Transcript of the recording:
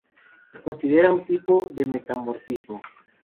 Se considera un tipo de metamorfismo.